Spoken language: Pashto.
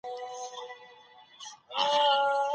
براون وايي اقتصادي وده نوي بدلونونو ته اړتیا لري.